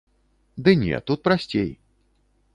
Ды не, тут прасцей.